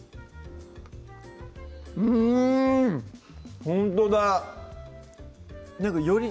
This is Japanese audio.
うんほんとだより